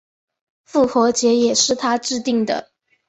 复活节也是他制定的。